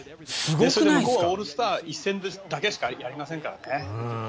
オールスターは１戦しかやりませんからね。